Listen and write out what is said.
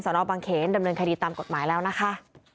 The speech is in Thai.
นบางเขนดำเนินคดีตามกฎหมายแล้วนะคะ